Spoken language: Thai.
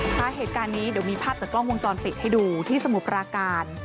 สาเหตุการนี้เดี๋ยวมีภาพจากกล้องวงจรปิดให้ดูที่สมุทรปราการ